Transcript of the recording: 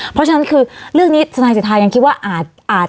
เพราะฉะนั้นคือเรื่องนี้ทนายสิทธายังคิดว่าอาจ